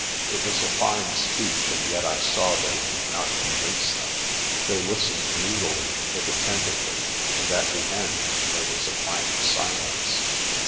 It was a fine speech and yet I saw that it did not convince them. They listened moodily, if atten tively, and at the end there was a blank silence.